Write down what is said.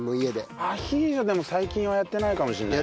アヒージョでも最近はやってないかもしれないね。